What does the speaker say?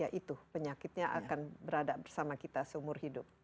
ya itu penyakitnya akan berada bersama kita seumur hidup